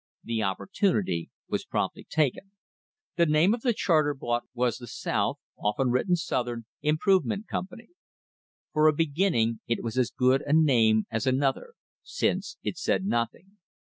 The opportunity was promptly taken. The name of the charter bought was the "South (often written Southern) Improve ment Company." For a beginning it was as good a name as another, since it said nothing.